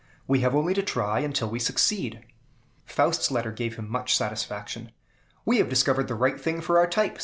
We have only to try until we succeed." Faust's letter gave him much satisfaction. "We have discovered the right thing for our type!"